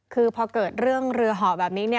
คือพอเกิดเรื่องเรือห่อแบบนี้